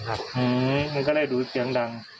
ครูก็เรียกดูเสียงดัง